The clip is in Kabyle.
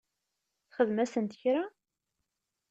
Txdem-asent kra?